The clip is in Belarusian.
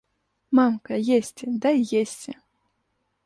Мамка, есці, дай есці!